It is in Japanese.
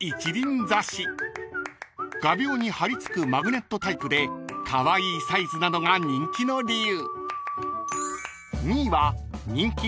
［画びょうに張り付くマグネットタイプでカワイイサイズなのが人気の理由］